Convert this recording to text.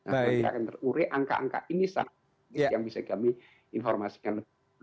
dan kalau tidak akan terure angka angka ini saja yang bisa kami informasikan